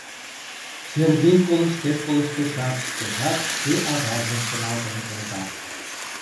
Сергей колыштеш-колыштешат, шкежат шке аважым шоналтен колта.